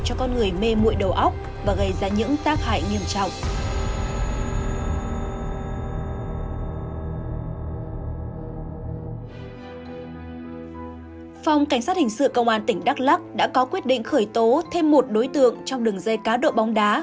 phòng cảnh sát hình sự công an tỉnh đắk lắc đã có quyết định khởi tố thêm một đối tượng trong đường dây cá độ bóng đá